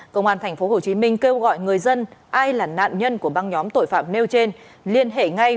công an tp hcm kêu gọi người dân ai là nạn nhân của băng nhóm tội phạm nêu trên liên hệ ngay